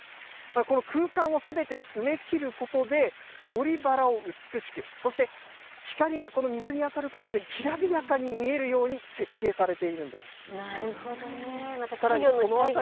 この空間をすべて植えきることで、よりバラを美しく、そして光がこの水に当たることできらびやかに見えるように設計さなるほどね。